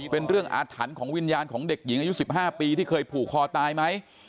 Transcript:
เป็นเรื่องอาถรรพ์ของวิญญาณของเด็กหญิงอายุ๑๕ปีที่เคยผูกคอตายไหม